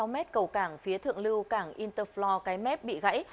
bốn mươi sáu mét cầu cảng phía thượng lưu cảng interfloor cái mét bị gãy